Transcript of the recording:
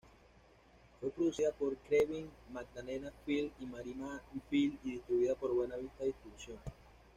Fue producida por Craven-Maddalena Films y Miramax Films, y distribuida por Buena Vista Distribution.